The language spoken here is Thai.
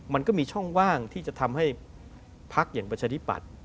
มันก็มีช่องว่างที่จะทำให้พักอย่างประชาธิปัตย์